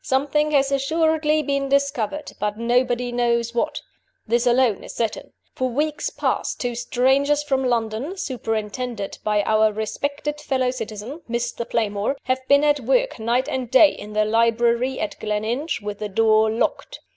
Something has assuredly been discovered; but nobody knows what. This alone is certain: For weeks past two strangers from London (superintended by our respected fellow citizen, Mr. Playmore) have been at work night and day in the library at Gleninch, with the door locked.